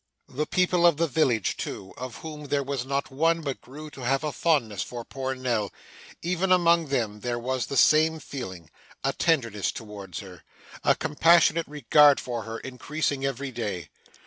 The people of the village, too, of whom there was not one but grew to have a fondness for poor Nell; even among them, there was the same feeling; a tenderness towards her a compassionate regard for her, increasing every day.